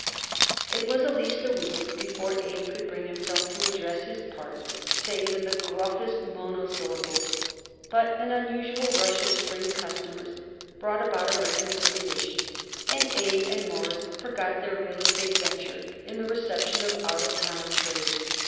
It was at least a week before Abe could bring himself to address his partner, save in the gruffest monosyllables; but an unusual rush of spring customers brought about a reconciliation, and Abe and Morris forgot their real estate venture in the reception of out of town trade.